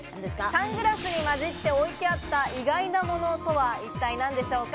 サングラスに混じって置いてあった意外なものとは一体何でしょうか？